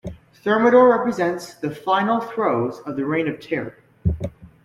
Thermidor represents the final throes of the Reign of Terror.